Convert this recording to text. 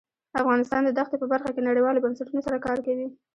افغانستان د دښتې په برخه کې نړیوالو بنسټونو سره کار کوي.